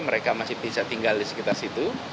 mereka masih bisa tinggal di sekitar situ